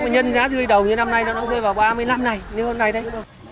nhân giá rươi đầu như năm nay nó rươi vào ba mươi năm này như hôm nay đây